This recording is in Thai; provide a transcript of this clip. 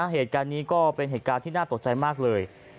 เหตุการณ์นี้ก็เป็นเหตุการณ์ที่น่าตกใจมากเลย